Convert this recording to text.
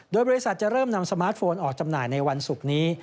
โดยบริษัทจะเริ่มนำสมาร์ทโฟนออกจำหน่ายในวันศุกร์นี้